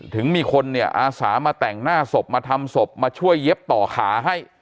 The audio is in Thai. ถึงมีคนเนี่ยอาสามาแต่งหน้าศพมาทำศพมาช่วยเย็บต่อขาให้